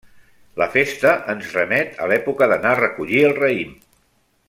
La festa ens remet a l'època d'anar a recollir el raïm.